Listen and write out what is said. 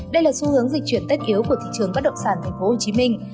đây là xu hướng dịch chuyển tất yếu của thị trường bất động sản thành phố hồ chí minh